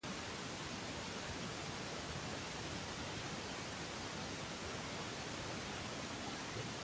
Allí fundó una escuela secundaria germanófona de mucho prestigio.